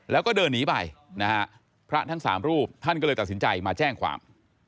แล้วก็เดินหนีไปนะฮะพระทั้งสามรูปท่านก็เลยตัดสินใจมาแจ้งความ